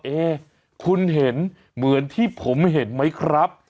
เอ๊คุณเห็นเหมือนที่ผมเห็นไหมครับ